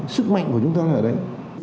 sức mạnh của chúng ta là ở đây